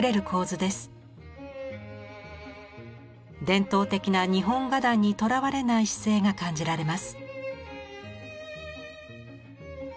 伝統的な日本画壇にとらわれない姿勢が感じられます。